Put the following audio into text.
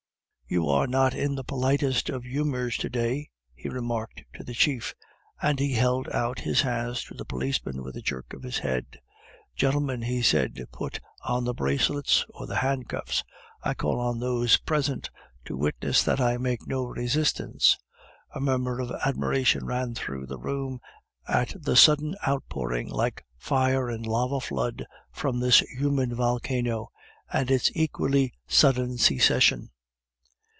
"You are not in the politest of humors to day," he remarked to the chief, and he held out his hands to the policemen with a jerk of his head. "Gentlemen," he said, "put on the bracelets or the handcuffs. I call on those present to witness that I make no resistance." A murmur of admiration ran through the room at the sudden outpouring like fire and lava flood from this human volcano, and its equally sudden cessation.